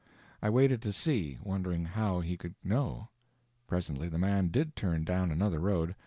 I waited to see, wondering how he could know. Presently the man did turn down another road.